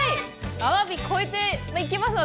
アワビ超えていきますよ。